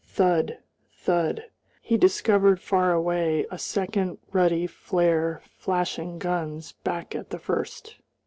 Thud!... thud! He discovered far away a second ruddy flare flashing guns back at the first.